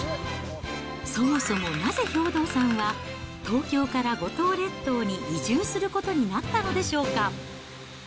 そもそもなぜ兵働さんは、東京から五島列島に移住することになったのでしょうか。